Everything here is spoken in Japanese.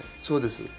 そうです。